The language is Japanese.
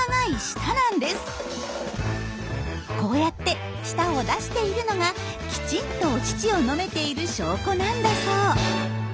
こうやって舌を出しているのがきちんとお乳を飲めている証拠なんだそう。